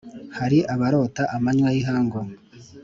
hari abarota amanywa y ' ihangu,